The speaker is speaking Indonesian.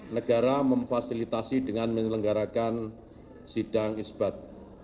negara memfasilitasi dengan menyelenggarakan sidang isbat